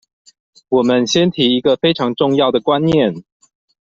我們先提一個非常重要的觀念